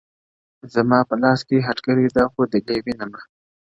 زما په لاس كي هتكړۍ داخو دلې ويـنـمـه؛